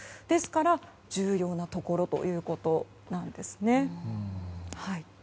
ですから、重要なところということなんです。